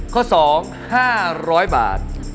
ข้อสอง๕๐๐บาท